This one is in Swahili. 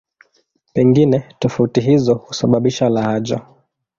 Pengine tofauti hizo husababisha lahaja.